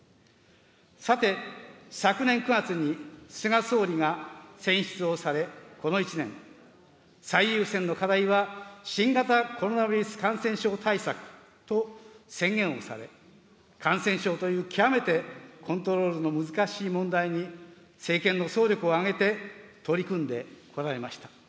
さて、昨年９月に菅総理が選出をされ、この１年、最優先の課題は新型コロナウイルス感染症対策と宣言をされ、感染症という極めてコントロールの難しい問題に政権の総力を挙げて取り組んでこられました。